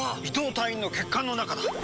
伊藤隊員の血管の中だ！